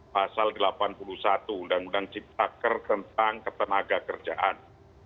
pasal delapan puluh satu undang undang ciptaker tentang ketenaga kerjaan